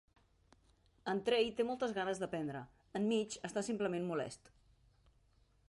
En Trey té moltes ganes d'aprendre, en Mitch està simplement molest.